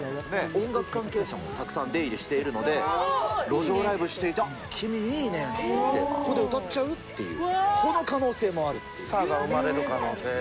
音楽関係者もたくさん出入りしているので、路上ライブしていて、あっ、君いいねって、ここで歌っちゃう？なんていう、この可能性もあるとスターが生まれる可能性が？